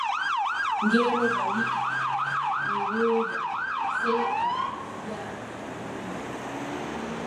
Ngeelooba wii : mi wooda, sey a yaha a munya.